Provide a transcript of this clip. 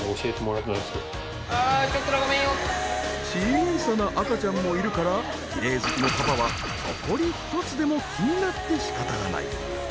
小さな赤ちゃんもいるからきれい好きのパパはホコリ一つでも気になって仕方がない。